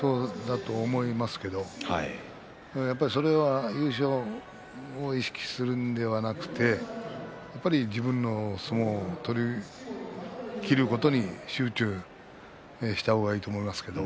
やはり、それは優勝を意識するのではなく自分の相撲を取りきることに集中した方がいいと思います。